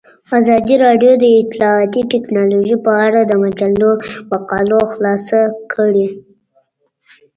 ازادي راډیو د اطلاعاتی تکنالوژي په اړه د مجلو مقالو خلاصه کړې.